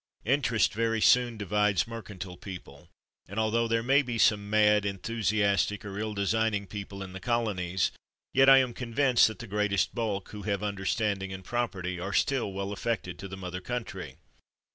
Interest very soon divides mercantile people; and, altho there may be some mad, enthusiastic, or ill designing people in the colonies, yet I am convinced that the greatest bulk, whc have understanding and property, are still well affected to the mother country.